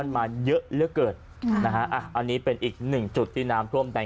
มันมาเยอะเหลือเกินอันนี้เป็นอีก๑จุดที่น้ำท่วมใน